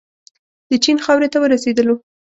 د چین خاورې ته ورسېدلو.